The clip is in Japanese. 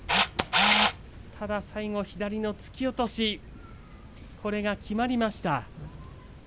ただ最後、左の突き落としこれが決まりました。